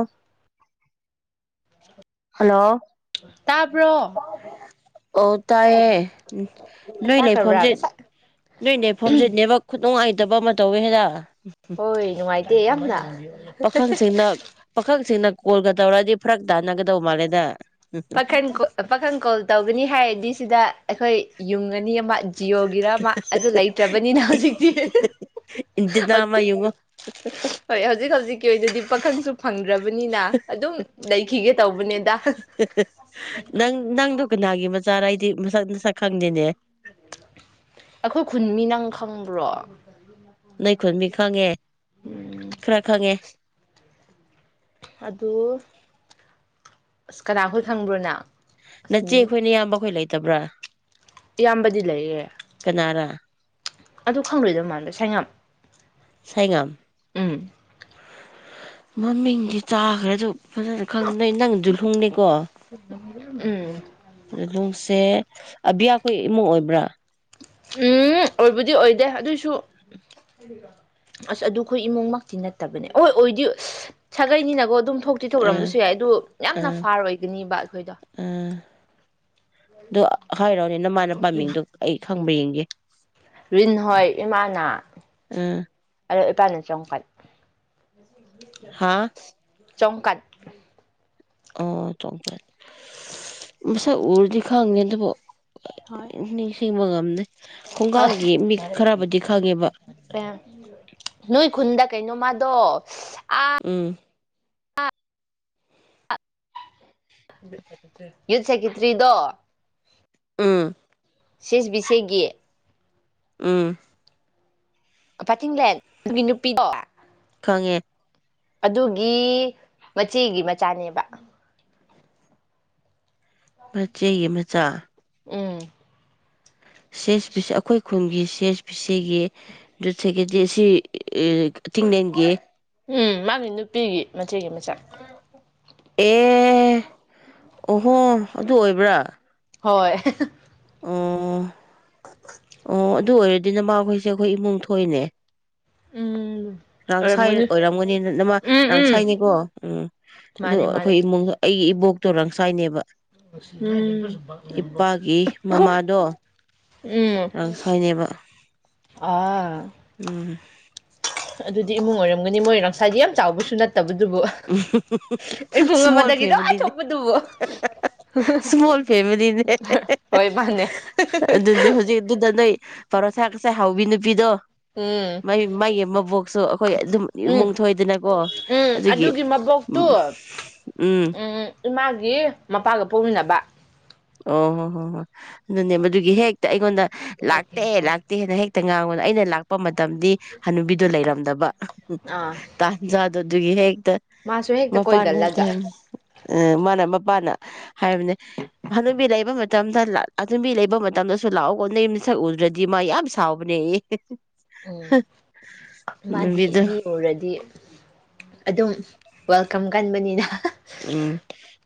ꯑ ꯇꯥꯕ꯭ꯔꯣ ꯑꯣ ꯇꯥꯏꯌꯦ ꯅꯣꯏ ꯇꯥꯈ꯭ꯔꯕ꯭ꯔꯥ ꯂꯩꯐꯝꯁꯦ ꯉꯁꯥꯏ ꯅꯣꯏ ꯂꯩꯐꯝꯁꯦ ꯅꯦꯋꯥꯛ ꯅꯨꯡꯉꯥꯏꯇꯕ ꯑꯃ ꯇꯧꯋꯦ ꯍꯥꯏꯗ ꯍꯣꯏ ꯅꯨꯡꯉꯥꯏꯇꯦ ꯌꯥꯝꯅ ꯄꯥꯈꯪꯁꯤꯡꯅ ꯄꯥꯈꯪꯁꯤꯡꯅ ꯀꯣꯜꯒ ꯇꯧꯔꯑꯗꯤ ꯐꯔꯛ ꯇꯥꯟꯅꯒꯗꯧꯕ ꯃꯥꯜꯂꯦꯗ ꯄꯥꯈꯪ ꯄꯥꯈꯪ ꯀꯣꯜ ꯇꯧꯒꯅꯤ ꯍꯥꯏꯔꯗꯤ ꯁꯤꯗ ꯑꯩꯈꯣꯏ ꯌꯨꯝ ꯑꯅꯤ ꯑꯃ ꯖꯤꯌꯣꯒꯤꯔ ꯑꯃꯥ ꯑꯗꯨ ꯂꯩꯇ꯭ꯔꯕꯅꯤꯅ ꯍꯧꯖꯤꯛꯇꯤ ꯏꯟꯇꯤꯅꯥ ꯑꯃ ꯍꯧꯖꯤꯛ ꯌꯦꯡꯉꯣ ꯍꯣꯏ ꯍꯧꯖꯤꯛ ꯍꯧꯖꯤꯛꯀꯤ ꯑꯣꯏꯅꯗꯤ ꯄꯥꯈꯪꯁꯨ ꯐꯪꯗ꯭ꯔꯕ ꯕꯅꯤꯅ ꯑꯗꯨꯝ ꯂꯩꯈꯤꯒꯦ ꯇꯧꯕꯅꯦꯗ ꯅꯪ ꯅꯪꯗꯨ ꯀꯅꯥꯒꯤ ꯃ ꯃꯆꯥꯔ ꯍꯥꯏꯗꯤ ꯃꯁꯛ ꯃꯁꯛ ꯑꯩꯈꯣꯏ ꯈꯨꯟ ꯃꯤ ꯅꯪ ꯈꯪꯕ꯭ꯔꯣ ꯅꯣꯏ ꯈꯨꯟ ꯃꯤ ꯈꯪꯉꯦ ꯎꯝ ꯈꯔ ꯈꯪꯉꯦ ꯑꯗꯨ ꯑꯁ ꯀꯅꯥꯈꯣꯏ ꯈꯪꯕ꯭ꯔꯣ ꯅꯪ ꯑꯁ ꯅꯆꯦ ꯃꯤꯡ ꯈꯣꯏ ꯏꯌꯥꯝꯕ ꯈꯣꯏ ꯂꯩ ꯂꯩꯇꯕ꯭ꯔ ꯏꯌꯥꯝꯕꯗꯤ ꯂꯩꯔꯦ ꯑꯗꯨ ꯈꯪꯂꯣꯏꯗꯧ ꯃꯜꯂꯣ ꯁꯩꯉꯝ ꯁꯥꯏꯒꯝ ꯎꯝ ꯃꯃꯤꯡꯗꯤ ꯆꯥꯈ꯭ꯔ ꯑꯗꯨ ꯐꯖꯅ ꯈꯪꯗꯩ ꯅꯪ ꯨꯍꯣꯡꯅꯦꯀꯣ ꯎꯝ ꯨꯍꯣꯡꯁꯦ ꯑꯕꯤꯌꯥꯈꯣꯏ ꯏꯃꯨꯡ ꯑꯣꯏꯕ꯭ꯔꯥ ꯎꯝ ꯑꯣꯏꯕꯨꯗꯤ ꯑꯣꯏꯗꯦ ꯑꯗꯨꯏꯁꯨ ꯑꯁ ꯑꯗꯨꯈꯣꯏ ꯏꯃꯨꯡꯃꯛꯇꯤ ꯅꯠꯇꯕꯅꯦ ꯍꯣꯏ ꯑꯣꯏꯗꯤ ꯁꯥꯒꯩꯅꯤꯅꯒꯣ ꯑꯗꯨꯝ ꯊꯣꯛꯇꯤ ꯑ ꯊꯣꯛꯂꯝꯕꯁꯨ ꯌꯥꯏ ꯑꯗꯨ ꯌꯥꯝꯅ ꯎꯝ ꯐꯥꯔ ꯑꯣꯏꯒꯅꯤꯕ ꯑꯩꯈꯣꯏꯗꯣ ꯑꯝ ꯑꯗꯨ ꯍꯥꯏꯔꯣꯅꯤꯅ ꯃꯥꯅ ꯄꯥꯝꯃꯤꯡꯗꯣ ꯑꯩ ꯈꯪꯕ ꯌꯦꯡꯦ ꯌꯦ ꯔꯤꯟ ꯍꯣꯏ ꯏꯃꯥꯅ ꯑꯥ ꯑ ꯇꯥꯟ ꯆ ꯈ ꯐꯥꯏ ꯍꯥꯥ ꯆꯣꯡꯀꯠ ꯑꯣ ꯇ ꯃꯁ ꯎꯔꯗꯤ ꯈꯦꯕꯣ ꯍꯣꯏ ꯅꯤꯡꯁꯤꯡꯕ ꯉꯝꯅꯤ ꯍꯣꯏ ꯈꯣꯡꯒꯥꯡꯒꯤ ꯃꯤ ꯈꯔꯕꯨꯗꯤ ꯈꯪꯉꯦꯕ ꯑꯦ ꯅꯣꯏ ꯈꯨꯟꯗ ꯀꯩꯅꯣꯃꯗꯣ ꯎꯝ ꯌꯨꯠꯁꯀꯤꯇ꯭ꯔꯤꯗꯣ ꯎꯝ ꯁꯤꯦꯁꯕꯤꯁꯦ ꯒꯤꯦ ꯎꯝ ꯄꯠꯇꯤꯡꯂꯦꯟ ꯑꯗꯨꯒꯤ ꯅꯨꯄꯤꯗꯣ ꯐꯉꯦ ꯑꯗꯨꯒꯤ ꯃꯆꯦꯒꯤ ꯃꯆꯥꯅꯦꯕ ꯃꯆꯦ ꯃꯆꯥ ꯎꯝ ꯁꯤꯦꯁ ꯄ ꯑꯩꯈꯣꯏ ꯈꯨꯟꯒꯤ ꯁꯦꯁ ꯄ ꯁꯤꯒꯤ ꯑꯗꯨꯠ ꯁꯦꯒꯦꯗꯤ ꯑꯁꯤ ꯑꯇꯤꯡꯡꯂꯦꯟꯒꯤ ꯎꯝ ꯃꯥꯅꯤ ꯅꯨꯄꯤꯒꯤ ꯃꯆꯦꯒꯤ ꯃꯆꯥꯛ ꯑꯦ ꯑꯣꯍꯣ ꯑꯗꯨ ꯑꯣꯏꯕ꯭ꯔꯥ ꯑ ꯍꯣꯏ ꯑꯥ ꯑꯣ ꯑꯗꯨ ꯑꯣꯏꯔꯗꯤ ꯑꯗꯨ ꯅ ꯃꯥꯎꯈꯣꯏꯁꯦ ꯑꯩꯈꯣꯏ ꯏꯃꯨꯡ ꯊꯣꯏꯅꯦ ꯎꯝ ꯔꯥꯡꯁꯥꯏ ꯑꯣꯏꯔꯝꯒꯅꯤ ꯑꯣꯏꯔꯝꯒꯅꯤꯅ ꯅꯃ ꯎꯝ ꯎꯝ ꯔꯥꯡꯁꯥꯏꯅꯤꯀꯣ ꯎꯝ ꯑꯗꯨ ꯃꯥꯅꯦ ꯃꯥꯅꯦ ꯑꯩꯈꯣꯏ ꯏꯃꯨꯡꯗ ꯑꯩꯒꯤ ꯕꯣꯛꯇꯣꯔꯥꯡꯁꯥꯏꯅꯦꯕ ꯏꯄꯥꯒꯤ ꯃꯃꯥꯗꯣ ꯎꯝ ꯔꯥꯡꯁꯥꯏꯅꯦꯕ ꯑꯥ ꯎꯝ ꯑꯗꯨꯗꯤ ꯏꯃꯨꯡ ꯑꯣꯏꯔꯝꯒꯅꯤ ꯃꯣꯏ ꯅꯪꯁꯥꯏꯗꯤ ꯌꯥꯝ ꯆꯥꯎꯕꯁꯨ ꯅꯠꯇꯦ ꯎ ꯏꯁꯃꯣꯜ ꯑꯃꯗꯒꯤꯗꯣ ꯑꯥ ꯐꯦꯃꯤꯂꯤꯅꯦ ꯊꯣꯛꯄꯗꯨꯕꯨ ꯏꯁꯃꯣꯜ ꯐꯦꯃꯤꯂꯤꯅꯦ ꯍꯣꯏ ꯃꯥꯅꯦ ꯑꯗꯨꯗꯤ ꯍꯧꯖꯤꯛ ꯑꯗꯨꯗ ꯅꯣꯏ ꯄꯔꯣꯁꯥ ꯀꯁꯥꯏ ꯍꯥꯎꯕꯤ ꯅꯨ ꯤꯗ ꯎꯝ ꯃꯒꯤ ꯃꯕꯣꯛꯁꯨ ꯑꯩꯈꯣꯏ ꯑꯗꯨꯝ ꯏꯃꯨꯡ ꯊꯣꯏꯗꯅꯀꯣ ꯑꯗꯨꯒꯤ ꯁꯤ ꯃꯕꯣꯛ ꯇꯨ ꯎꯝ ꯏꯃꯥꯒꯤ ꯃꯄꯥꯒ ꯄꯣꯛꯃꯤꯟꯅꯕ ꯑꯣ ꯍꯣ ꯍꯣ ꯍꯣꯏ ꯑꯗꯨꯅꯦ ꯃꯗꯨꯒꯤ ꯍꯦꯛꯇ ꯑꯩꯉꯣꯟꯗ ꯂꯥꯛꯇꯦ ꯂꯥꯛꯇꯦꯅ ꯍꯦꯛꯇ ꯉꯥꯎ ꯑꯩꯅ ꯂꯥꯛꯄ ꯃꯇꯝ ꯃꯇꯝꯗꯤ ꯍꯅꯨꯕꯤꯗꯨꯣ ꯂꯩꯔꯝꯗꯕ ꯑꯥ ꯇꯖ ꯑꯗꯨꯗꯨꯒꯤ ꯍꯦꯛ ꯃꯥꯁꯨ ꯍꯦꯛꯇ ꯃꯄꯥꯟꯅ ꯍꯦꯛꯇ ꯀꯣꯏꯒꯜꯂꯒ ꯃꯥꯅ ꯃꯄꯥꯥꯟꯅ ꯍꯥꯏꯕꯅꯦ ꯑꯅꯕꯤ ꯂꯩꯕ ꯃꯇꯝꯗ ꯑꯗꯨꯟꯕꯤ ꯂꯩꯕ ꯃꯇꯝꯗꯁꯨ ꯂꯥꯛꯑꯣ ꯀꯣꯟꯗꯩ ꯃꯤꯁꯛ ꯎꯗ꯭ꯔꯗꯤ ꯃꯥ ꯌꯥꯝ ꯁꯥꯎꯕꯅꯦ ꯑꯦ ꯎꯝ ꯃꯥꯗꯤ ꯅꯨꯕꯤꯗꯣ ꯃꯤ ꯎꯔꯗꯤ ꯑꯗꯨꯝ ꯀꯝ ꯀꯟꯕꯅꯤꯅ ꯎꯝ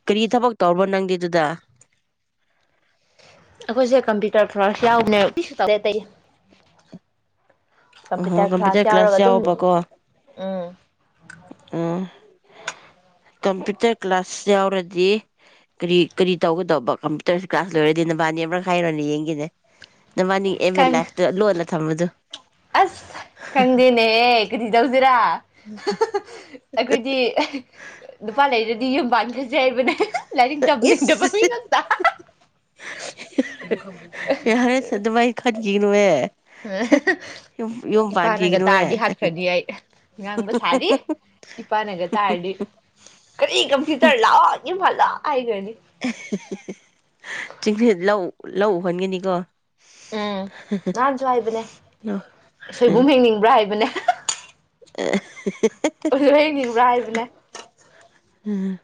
ꯀꯔꯤ ꯊꯕꯛ ꯇꯧꯔꯕꯣ ꯅꯪꯗꯤ ꯑꯗꯨꯗ ꯑꯩꯈꯣꯏꯁꯦ ꯀꯝꯄ꯭ꯌꯨꯇꯔ ꯐ ꯌꯥꯎꯕꯅꯦꯕꯁꯨ ꯇꯦꯇꯩ ꯑꯍꯣ ꯀꯝꯄ꯭ꯌꯨꯇꯔ ꯀ꯭ꯂꯥꯁ ꯌꯥꯎꯕꯀꯣ ꯎꯝ ꯎꯝ ꯀꯝꯄ꯭ꯌꯨꯇꯔ ꯀ꯭ꯂꯥꯁ ꯌꯥꯎꯔꯗꯤ ꯀꯔꯤ ꯀꯔꯤ ꯇꯧꯒꯗꯧꯕ ꯀꯝꯄ꯭ꯌꯨꯇꯔ ꯀ꯭ꯂꯥꯁ ꯂꯣꯏꯔꯗꯤ ꯅꯕꯥꯅꯤ ꯑꯃ꯭ꯔꯛ ꯍꯥꯏꯥꯏꯔꯣꯅꯦ ꯌꯦꯡꯈꯤꯅꯦ ꯅꯅꯤ ꯑꯦꯝ ꯑꯦ ꯈꯪ ꯂꯦꯇ ꯂꯣꯟꯅ ꯊꯝꯃꯗꯨ ꯑꯁ ꯈꯪꯗꯦꯅꯦꯍꯦ ꯀꯨꯗꯤꯤ ꯇꯧꯁꯤꯦꯔꯥ ꯑꯩꯈꯣꯏꯗꯤ ꯅꯨꯄꯥ ꯂꯩꯔꯗꯤ ꯌꯨꯝ ꯥꯡ [unintelligible] ꯌꯥꯦꯕꯅꯦ ꯂꯥꯏꯔꯤ ꯇꯝꯅꯤꯡ ꯇꯄ ꯏꯁ ꯃꯤ ꯉ ꯑꯗꯨ ꯈ ꯌꯥ ꯍꯔꯗꯋꯥꯏ ꯈ ꯀꯣꯅꯦ ꯏꯄꯥꯅꯒ ꯄꯥꯟꯈꯤꯒꯅꯨꯍꯦ ꯇꯥꯔꯗꯤ ꯍꯥꯠꯈ꯭ꯔꯅꯤ ꯑꯩ ꯉꯥꯡꯕ ꯁꯥꯔꯤ ꯏꯄꯥꯅꯒ ꯇꯥꯔꯗꯤ ꯀꯔꯤ ꯀꯝꯐ꯭ꯌꯨꯇꯔ ꯂꯥꯎ ꯏꯝꯐꯥ ꯍꯥꯏꯒꯅꯤ ꯆꯤꯡ ꯂꯧ ꯂꯧ ꯎꯍꯟꯒꯅꯤꯀꯣ ꯎꯝ ꯅꯍꯥꯟꯁꯨ ꯍꯥꯏꯕꯅꯦ ꯌꯨꯝ ꯁꯣꯏꯕꯨꯝ ꯍꯤꯡꯅꯤꯡꯕ꯭ꯔꯥ ꯍꯥꯏꯕꯅꯦ ꯑꯦ ꯑꯥ ꯍꯦ-ꯍꯦ ꯑꯗꯨ ꯂꯩꯅꯤꯡꯕ꯭ꯔꯥ ꯍꯥꯏꯕꯅꯦ ꯎꯝ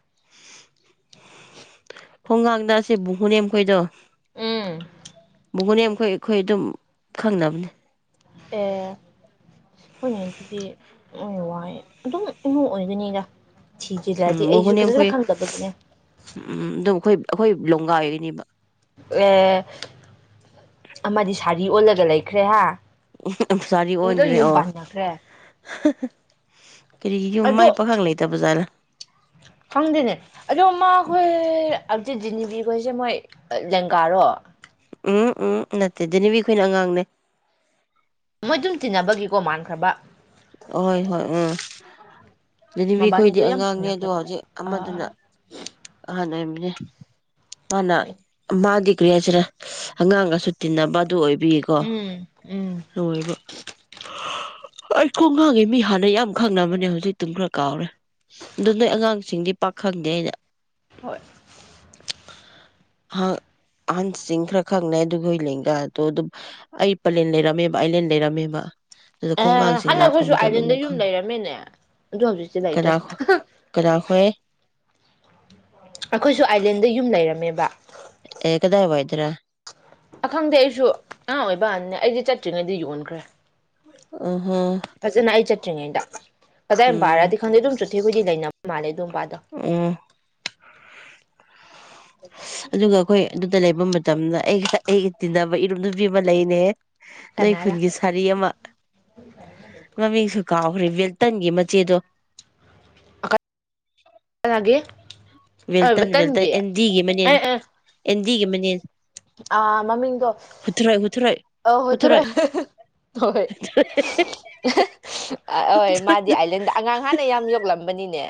ꯈꯣꯡꯒꯥꯡꯗ ꯑꯁꯦ ꯕꯨꯍꯨꯅꯦꯝ ꯑꯈꯣꯏꯗꯣ ꯎꯝ ꯕꯨꯒꯨꯅꯦꯝ ꯑꯩꯈꯣꯏ-ꯑꯩꯈꯣꯏ ꯑꯗꯨꯝ ꯈꯪꯅꯕꯅꯦ ꯑꯦ ꯍꯣꯏꯅꯦ ꯑꯗꯨꯗꯤ ꯑꯣꯏ ꯋꯥꯏ ꯑꯗꯨꯝ ꯏꯃꯨꯡ ꯑꯣꯏꯒꯅꯤꯗ ꯎꯝ ꯊꯤꯖꯤꯜꯂꯗꯤ ꯑꯩꯁꯨ ꯕꯨꯍꯨꯅꯦꯝ ꯐꯖꯅ ꯑꯩꯈꯣꯏ ꯈꯪꯗꯕꯒꯤꯅꯦ ꯎꯝ ꯑꯗꯨꯝ ꯑꯩꯈꯣꯏ ꯑꯩꯈꯣꯏ ꯂꯣꯡꯒꯥ ꯑꯣꯏꯔꯤꯅꯦꯕ ꯑꯦ ꯑꯃꯗꯤ ꯁꯥꯔꯤ ꯑꯣꯜꯂꯒ ꯂꯩꯈ꯭ꯔꯦ ꯍꯥ ꯎ ꯑꯃ ꯁꯥꯔꯤ ꯂꯣꯏ ꯑꯣꯟꯒ꯭ꯔꯦ ꯌꯨꯝ ꯑꯣ ꯄꯥꯟꯅꯈ꯭ꯔꯦ ꯀꯔꯤꯒꯤ ꯌꯨꯝ ꯑꯗꯣ ꯃꯥꯏ ꯄꯈꯪ ꯂꯩꯇꯕꯖꯥꯠꯅ ꯈꯪꯗꯦꯅꯦ ꯑꯗꯣ ꯃꯥꯈꯨꯏ ꯑꯗꯨ ꯗꯤꯂꯤꯕꯤꯈꯣꯏꯖꯦ ꯃꯣꯏ ꯂꯦꯡꯒꯥꯔꯣ ꯎꯝ-ꯎꯝ ꯅꯠꯇꯦ ꯗꯤꯅꯤꯕꯤ ꯈꯣꯏꯅ ꯑꯉꯥꯡꯅꯦ ꯃꯣꯏ ꯗꯨꯝ ꯇꯤꯟꯅꯕꯒꯤꯒꯣ ꯃꯥꯟꯈ꯭ꯔꯕ ꯍꯣꯏ-ꯍꯣꯏ ꯎꯝ ꯗꯤꯅꯤꯕꯤ ꯈꯣꯏꯗꯤ ꯃꯕꯥꯅꯤꯗꯣ ꯌꯥꯝ ꯑꯉꯥꯡꯅꯦ ꯑꯗꯣ ꯇꯤꯟꯅꯈ꯭ꯔꯕ ꯍꯧꯖꯤꯛ ꯑ ꯑꯃꯗꯨꯅ ꯑꯍꯥ ꯅꯦꯝꯅꯦ ꯃꯅꯥ ꯃꯥꯗꯤ ꯀ꯭ꯔꯤ ꯍꯥꯏꯁꯤꯔ ꯑꯉꯥꯡꯒꯁꯨ ꯇꯤꯟꯅꯕ ꯑꯗꯨ ꯑꯣꯏꯕꯤꯌꯦꯀꯣ ꯎꯝ ꯎꯝ ꯅꯣꯏꯕ ꯍꯥꯌ ꯑꯩ ꯈꯣꯡ ꯈꯥꯡꯉꯤ ꯃꯤ ꯍꯥꯟꯅ ꯌꯥꯝ ꯈꯪꯅꯕꯅꯦ ꯍꯧꯖꯤꯛꯇꯤ ꯇꯤꯝ ꯈꯔ ꯀꯥꯎꯔꯦ ꯑꯗꯨ ꯑꯉꯥꯡꯁꯤꯡꯗꯤ ꯄꯥꯈꯪꯗꯦ ꯑꯩꯅ ꯍꯣꯏ ꯑꯥ ꯑꯍꯟꯁꯤꯡ ꯈꯔ ꯈꯪꯅꯦ ꯑꯗꯨꯒꯤ ꯅꯣꯏ ꯂꯦꯟꯒꯗꯣ ꯑꯗꯨꯝ ꯑꯩ ꯄꯤꯂꯦꯟ ꯂꯩꯔꯝꯃꯦꯕ ꯑꯥꯏꯂꯦꯟ ꯂꯩꯔꯝꯃꯦꯕ ꯑꯗꯨꯗ ꯑꯦ ꯈꯣꯡꯒꯥꯡꯁꯤꯡ ꯂꯥꯛꯄ ꯍꯥꯟꯂꯍꯨꯁꯨ ꯃꯇꯝꯗ ꯑꯥꯏꯂꯦꯟꯗ ꯑꯗꯨꯝ ꯌꯨꯝ ꯈꯪꯉꯤ ꯂꯩꯔꯝꯃꯦꯅꯦ ꯑꯗꯨ ꯍꯧꯖꯤꯛꯇꯤ ꯀꯅꯥ ꯂꯩꯇ꯭ꯔꯦ ꯀꯅꯥꯈꯣꯏ ꯑꯩꯈꯣꯏꯁꯨ ꯑꯥꯏꯂꯦꯟꯗ ꯌꯨꯝ ꯂꯩꯔꯝꯃꯦꯕ ꯑꯦ ꯀꯗꯥꯏ ꯋꯥꯏꯗꯥꯔꯥ ꯑꯈꯪꯗꯦ ꯑꯩꯁꯨ ꯑꯉꯥꯡ ꯑꯣꯏꯕꯅꯦ ꯑꯩꯗꯤ ꯆꯠꯇ꯭ꯔꯤꯉꯩꯗ ꯌꯣꯟꯈ꯭ꯔꯦ ꯑꯣ ꯐꯖꯅ ꯑꯩ ꯆꯠ ꯇꯤꯉꯩꯗ ꯀꯗꯥꯥꯏ ꯎꯝ ꯃꯥꯄꯥꯔꯤꯗꯤ ꯈꯪꯗꯤ ꯑꯗꯨꯝ ꯆꯨꯠ ꯍꯧꯤꯕꯨꯨꯗꯤ ꯂꯩꯅꯕ ꯃꯥꯜꯂꯦ ꯑꯗꯨꯝ ꯑ ꯑꯗꯨꯒ ꯑꯩꯈꯣꯏ ꯑꯗꯨꯗ ꯂꯩꯕ ꯃꯇꯝꯗ ꯑꯩꯒ ꯑꯩꯒ ꯇꯤꯟꯅꯕ ꯏꯔꯣ ꯅꯨꯕꯤ ꯑꯃ ꯂꯩꯅꯦ ꯅꯣꯏ ꯀꯅꯥꯔ ꯈꯨꯟꯒꯤ ꯁꯥꯔꯤ ꯑꯃ ꯃꯃꯤꯡꯁꯨ ꯀꯥꯎꯈ꯭ꯔꯦ ꯕꯦꯜꯇꯟꯒꯤ ꯆꯗꯣ ꯒꯦ ꯇꯟ ꯦꯜꯇꯟ ꯑꯦꯟꯒꯤ ꯃꯅꯦꯟ ꯑꯗꯨꯒ ꯃꯅꯤ ꯑꯥ ꯃꯃꯤꯡꯗꯣ ꯍꯨꯊꯔꯣꯏ ꯑ ꯍꯣꯏ ꯍꯨꯊꯔꯣꯏ ꯍꯣꯏ ꯍꯣꯏ ꯃꯥꯗꯤ ꯍꯨꯊꯔꯣꯏ ꯑꯥꯏꯂꯦꯟꯗ ꯑꯉꯥꯡ ꯍꯥꯟꯅ ꯌꯥꯝ ꯌꯣꯛꯂꯝꯕꯅꯤꯅꯦ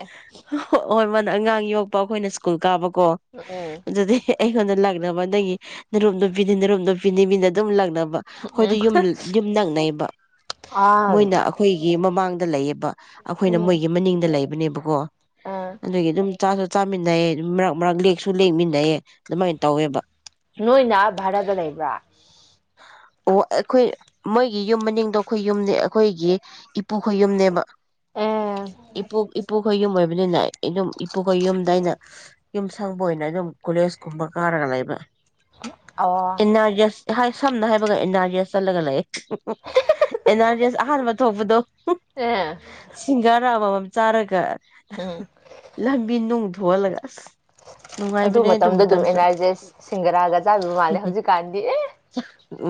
ꯍꯣꯏ ꯃ ꯑꯉꯥꯡ ꯌꯣꯛ ꯄꯥꯎꯣꯏꯅ ꯁ꯭ꯀꯨ ꯀꯥꯕ ꯀꯣ ꯎꯝ ꯑꯗꯨꯗꯤ ꯑꯩꯉꯣꯟꯗ ꯂꯥꯛꯅꯕ ꯅꯪꯒꯤ ꯅꯔꯨꯝ ꯅꯨꯄꯤꯅꯤ ꯅꯔꯨꯝ ꯅꯨꯄꯤꯅꯤ ꯃꯤꯅ ꯑꯗꯨꯝ ꯂꯥꯛꯅꯕ ꯣꯏ ꯎꯝ ꯌ ꯅꯛꯅꯩꯕ ꯑꯥ ꯃꯣꯏꯅ ꯑꯩꯈꯣꯏꯒꯤ ꯃꯃꯥꯡ ꯗ ꯂꯩꯌꯦꯕ ꯑꯩꯈꯣꯏꯅ ꯎꯝ ꯃꯣꯏꯒꯤ ꯃꯅꯤꯡꯗ ꯂꯩꯕꯅꯦꯕ ꯑꯗꯨꯀꯣ ꯑ ꯑꯗꯨꯒꯤ ꯑꯗꯨꯝ ꯆꯥꯛ ꯆꯥꯃꯤꯟꯅꯩꯌꯦ ꯃꯔꯛ ꯃꯔꯛ ꯂꯦꯛꯁꯨ ꯂꯦꯛꯃꯤꯟꯅꯩꯦ ꯑꯗꯨꯃꯥꯏꯅ ꯇꯧꯋꯦꯕ ꯅꯣꯏꯅꯚꯔꯗ ꯂꯩ ꯂꯩꯕ꯭ꯔꯥ ꯑꯣ ꯑꯩꯈꯣꯏ ꯃꯣꯏꯒꯤ ꯌꯨꯝ ꯃꯅꯤꯡꯗꯣ ꯑꯩꯈꯣꯏ ꯌꯨꯝꯅꯦ ꯑꯩꯈꯣꯏꯒꯤ ꯏꯄꯨꯈꯣꯏ ꯌꯨꯝꯅꯦꯕ ꯑꯦ ꯏꯣ [unintelligible] ꯏꯄꯨꯈꯣꯏ ꯌꯨꯝ ꯑꯣꯏꯕꯅꯤꯅ ꯑꯗꯨꯝ ꯏꯄꯨꯈꯣꯏ ꯌꯨꯝꯗ ꯑꯩꯅ ꯌꯨꯝ ꯁꯪꯕ ꯑꯣꯏꯅ ꯑꯗꯨꯝ ꯀꯣꯂꯦꯖ ꯀꯨꯝꯕ ꯀꯥꯔꯒ ꯂꯩꯕ ꯑꯣ ꯏꯟꯅꯖꯁ ꯍꯥꯏ ꯁꯝꯅ ꯍꯥꯏ ꯑꯦꯟ ꯑꯥꯔ ꯗꯤ ꯑꯦꯁ ꯆꯠꯂꯒ ꯂꯑꯦ ꯑꯦꯟ ꯑꯥꯔ ꯗꯤ ꯑꯦꯁ ꯑꯍꯥꯟꯕ ꯊꯣꯛꯄꯗꯣ ꯑꯦ ꯁꯤꯒꯔꯥ ꯋꯥ ꯆꯔꯒ ꯎꯝ ꯂꯝꯕꯤ ꯅꯨꯡꯒꯤ ꯊꯨꯜꯥꯁ ꯑꯗꯨ ꯃꯇꯝꯗ ꯑꯗꯨꯝ ꯑꯦꯟ ꯑꯥꯔꯖꯦ ꯁꯤꯡꯒꯔꯥꯒ ꯆꯥꯕꯤꯕ ꯃꯥꯜꯂꯦ ꯍꯧꯖꯤꯛꯀꯥꯟꯗꯤ ꯑꯦ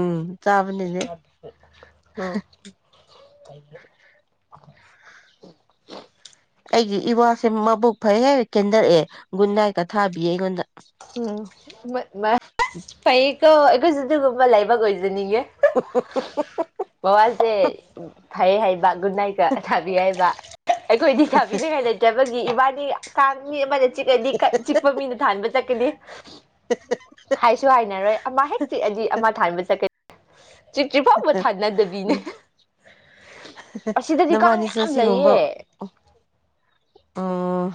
ꯎꯝ ꯆꯥꯕꯅꯤꯅꯦ ꯎꯝ [unintelligible] ꯑꯩꯒꯤ ꯏꯕꯥꯁꯦ ꯃꯕꯨꯛ ꯐꯩꯍꯦꯛ ꯀꯦꯟꯗꯛꯑꯦ ꯒꯨꯟ ꯅꯥꯏꯀ ꯊꯥꯕꯤꯌꯦ ꯑꯩꯉꯣꯟꯗ ꯎꯝ ꯏꯁꯄꯩ ꯑꯩꯈꯣꯏꯁꯨ ꯑꯗꯨꯒꯨꯝꯕ ꯂꯥꯏꯕꯛ ꯑꯣꯏꯖꯅꯤꯡꯉꯦ ꯃꯕꯥꯁꯦ ꯐꯔ ꯍꯥꯏ ꯒꯨꯗ ꯅꯥꯏꯀ ꯊꯥꯕꯤꯔꯏꯕ ꯑꯩꯈꯣꯏꯗꯤ ꯊꯥꯕꯤꯅꯤꯡꯉꯥꯏ ꯂꯩꯇꯕꯒꯤ ꯏꯃꯥꯅꯤ ꯀ ꯆꯤꯛꯗꯤ ꯆꯤꯛꯄ ꯃꯤꯅ ꯊꯥꯟꯕ ꯆꯠꯀꯅꯤ ꯍꯥꯏꯁꯨ ꯍꯥꯏꯅꯔꯣꯏ ꯑꯃ ꯍꯦꯛ ꯆꯤꯛꯑꯗꯤ ꯑꯃ ꯊꯥꯟꯕ ꯆꯠꯀ ꯆꯤꯛꯇ꯭ꯔꯤꯐꯥꯎꯕ ꯊꯥꯅꯗꯕꯤꯅꯦ ꯎꯝ ꯑꯁꯤꯗꯗꯤ ꯀꯥꯡ ꯅꯕꯥꯅꯤꯁꯨ ꯌꯥꯝ ꯁꯤꯒꯨꯝꯕ ꯂꯩꯌꯦ ꯑꯥ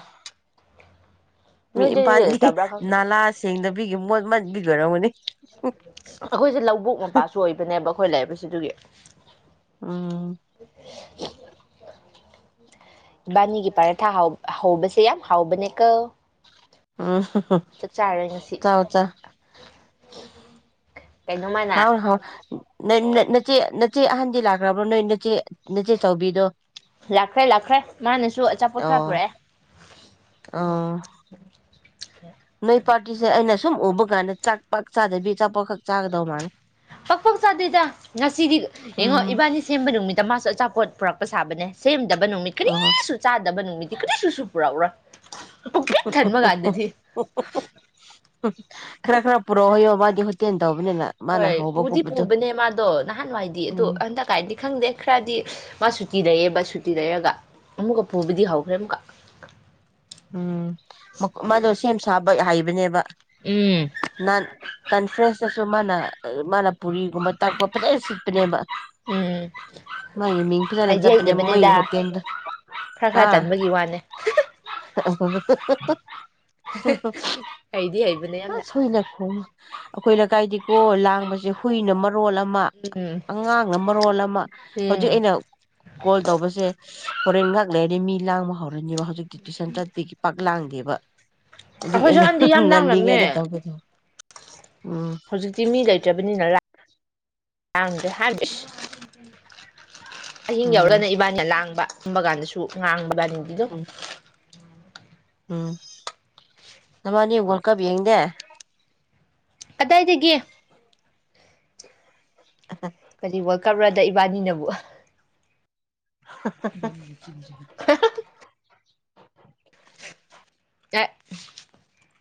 ꯃꯤ ꯄ ꯅꯣꯏꯗꯗꯤ ꯂꯩꯇꯕ꯭ꯔꯥ ꯈꯪꯗꯦ ꯅꯂꯥ ꯁꯦꯡꯗ ꯕꯤ ꯃꯟꯕꯤꯒꯔꯅꯤ ꯑꯩꯈꯣꯏꯁꯦ ꯂꯧꯕꯣꯛ ꯃꯄꯥꯁꯨ ꯑꯣꯏꯕꯅꯦꯕ ꯑꯩꯈꯣꯏ ꯂꯥꯛꯏꯕꯁꯤ ꯑꯗꯨꯒꯤ ꯑꯝ [inaudible] ꯅꯤꯒꯤ ꯄꯔꯦ ꯊꯥ ꯍꯥꯎ ꯍꯥꯎꯧꯕꯁꯦ ꯌꯥꯝ ꯍꯥꯎꯕꯅꯦ ꯀ ꯑ ꯆꯥꯎꯑꯣ ꯆꯥꯎꯑꯣ ꯀꯩꯅꯣ ꯃꯥꯅ ꯍꯥꯎ ꯍꯥꯎ ꯅ ꯅꯆꯦ ꯅꯆꯦ ꯑꯍꯟꯗꯤ ꯂꯥꯛꯈ꯭ꯔꯕ꯭ꯔꯣ ꯅꯣꯏ ꯅꯆꯦ ꯅꯆꯦ ꯆꯥꯎꯕꯤꯗꯣ ꯂꯥꯛꯈ꯭ꯔꯦ ꯂꯥꯛꯈ꯭ꯔꯦ ꯃꯥꯅꯁꯨ ꯑꯆꯥꯄꯣꯠ ꯈꯔ ꯑꯣ ꯄꯨꯔꯛꯑꯦ ꯑꯣ ꯅꯣꯏ ꯄꯥꯇꯤꯁꯦ ꯑꯩꯅ ꯁꯨꯝ ꯎꯕ ꯀꯥꯟꯗ ꯆꯥꯛ ꯄꯥꯛ ꯆꯥꯗꯕꯤ ꯆꯆꯥꯄꯥꯛꯈꯛ ꯆꯥꯒꯗꯧ ꯃꯥꯦ ꯄꯥꯛ ꯄꯥꯛ ꯆꯥꯗꯣꯏꯗ ꯉꯁꯤꯗꯤ ꯌꯦꯡꯉꯣ ꯎꯝ ꯏꯕꯥꯅꯤ ꯁꯦꯝꯕ ꯅꯨꯃꯤꯠꯇ ꯃꯥꯁꯨ ꯑꯆꯥꯄꯣꯠ ꯄꯨꯔꯛꯄ ꯁꯥꯕꯅꯦ ꯁꯦꯝꯗꯕ ꯅꯨꯃꯤꯠ ꯑꯣꯍꯣ ꯀꯔꯤꯁꯨ ꯆꯥꯗꯕ ꯅꯨꯃꯤꯠꯇꯤ ꯀꯔꯤꯁꯨꯁꯨ ꯄꯨꯔꯛꯎꯔꯣꯏ ꯄꯨꯛꯄꯤꯛ ꯊꯟꯕ [unintelligible] ꯀꯥꯟꯗꯗꯤ ꯈꯔ ꯈꯔ ꯄꯨꯔꯛꯑꯣ ꯌꯣ ꯃꯥꯗꯤ ꯍꯇꯦꯟ ꯍꯣꯏ ꯄꯨꯗꯤ ꯄꯨꯕꯅꯦ ꯃꯥꯗꯣ ꯅꯍꯥꯟꯋꯥꯏꯗꯤ ꯑꯗꯨꯗ ꯎꯝ ꯍꯟꯗꯛ ꯀꯥꯏꯗꯤ ꯈꯪꯗꯦ ꯈꯔꯗꯤ ꯃꯥ ꯁꯨꯇꯤ ꯂꯩꯌꯦꯕ ꯁꯨꯇꯤ ꯂꯩꯔꯒ ꯑꯃꯨꯛꯀ ꯄꯨꯕꯗꯤ ꯍꯧꯈ꯭ꯔꯦ ꯑꯃꯨꯛꯀ ꯎꯝ ꯃ ꯃꯥꯗꯣ ꯁꯥꯕ ꯍꯥꯏꯩꯕꯅꯦꯕ ꯎꯝ [unintelligible] ꯀꯟ ꯐ꯭ꯔꯦꯁꯇꯁꯨ ꯃꯥꯅ ꯃꯥꯅ ꯄꯨꯔꯤꯒꯨꯝꯕ ꯇꯥꯛꯄ ꯐꯖꯅ ꯁꯤꯠꯄꯅꯦꯕ ꯎꯝ ꯃꯥꯒꯤ ꯃꯤꯡ ꯐꯖꯅ ꯍꯥꯏꯗꯤ ꯆꯠꯄꯅꯦ ꯃꯣꯏꯒꯤ ꯍꯩꯖꯕꯅꯤꯗ ꯍꯣꯇꯦꯜꯗꯣ ꯈꯔ ꯈꯔ ꯍꯥ ꯇꯟꯕꯒꯤ ꯋꯥꯅꯦ [unintelligible] [unintelligible] ꯍꯩꯗꯤ ꯍꯩꯕꯅꯦ ꯌꯥꯝꯅ ꯑꯩꯈꯣꯏ ꯂꯩꯀꯥꯏꯗꯤꯀꯣ ꯂꯥꯡꯕꯁꯦ ꯍꯨꯏꯅ ꯃꯔꯣꯜ ꯑꯃ ꯎꯝ ꯑꯉꯥꯡ ꯃꯔꯣꯜ ꯑꯃ ꯎꯝ ꯍꯧꯖꯤꯛ ꯑꯩꯅ ꯀꯣꯜ ꯇꯧꯕꯁꯦ ꯍꯣꯔꯦꯟ ꯉꯍꯥꯛ ꯂꯩꯔꯗꯤ ꯃꯤ ꯂꯥꯡꯕ ꯍꯧꯔꯅꯦꯕ ꯍꯧꯖꯤꯛꯀꯤ ꯇꯨꯏꯁꯟ ꯆꯠꯄꯥꯒꯤ ꯄꯥꯛ ꯂꯥꯡꯗꯦꯕ [unintelligible] ꯑꯗꯨꯒꯤ ꯑꯩꯈꯣꯏꯁꯨ ꯑꯩꯅ ꯍꯥꯟꯗꯤ ꯌꯥꯝ ꯉꯜꯂꯤꯉꯩꯗ ꯂꯥꯡꯂꯝꯃꯦ ꯇꯧꯒꯦ ꯇꯧꯕ ꯍꯧꯖꯤꯛꯇꯤ ꯃꯤ ꯂꯩꯇ꯭ꯔꯕꯅꯤꯅ ꯂꯥꯛ ꯑꯔꯤ ꯍꯥꯔꯕꯤꯁ ꯑꯍꯤꯡ ꯎꯝ ꯌꯥꯎꯔꯅ ꯏꯕꯥꯅ ꯂꯥꯡꯕ ꯇꯨꯝꯕ ꯀꯥꯟꯗꯁꯨ ꯉꯥꯡꯕ ꯂ ꯍꯤꯟꯗꯤꯗ [unintelligible] ꯎꯝ ꯎꯝ ꯅꯃꯅꯤ ꯋꯥꯔꯜ ꯀꯞ ꯌꯦꯡꯗꯦ ꯑꯗꯥꯏꯗꯒꯤ ꯀꯔꯤ ꯋꯥꯔꯜ ꯀꯞꯔꯗ ꯏꯕꯥꯅꯤꯅꯕꯨ [unintelligible] [unintelligible]